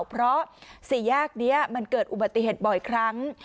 เพราะสี่แยกนี้มันเกิดอุบัติเหตุบ่อยครั้ง